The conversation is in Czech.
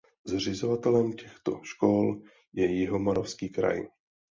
Zřizovatelem těchto škol je Jihomoravský kraj.